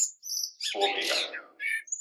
coobrigado